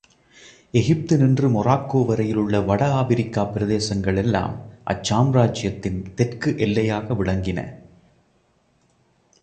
எகிப்தினின்று Morocco வரையில் உள்ள வட ஆப்பிரிக்காப் பிரதேசங்களெல்லாம் அச் சாம்ராஜ்யத்தின் தெற்கு எல்லையாக விளங்கின.